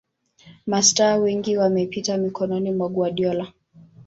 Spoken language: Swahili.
Mastaa wengi wamepita mikononi mwa Guardiola